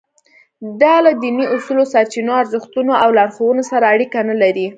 دا له دیني اصولو، سرچینو، ارزښتونو او لارښوونو سره اړیکه نه لري.